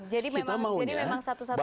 jadi memang satu satunya jalan